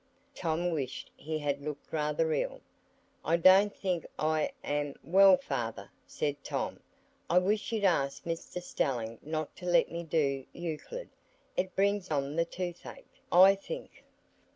Tom wished he had looked rather ill. "I don't think I am well, father," said Tom; "I wish you'd ask Mr Stelling not to let me do Euclid; it brings on the toothache, I think."